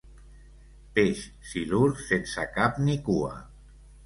Peix silur sense cap ni cua.